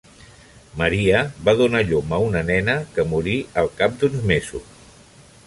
Maria va donar llum a una nena, que morí al cap d'uns mesos.